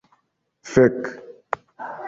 Fek'...